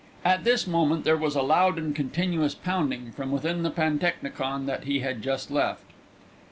At this moment there was a loud and continuous pounding from within the pantechnicon that he had just left.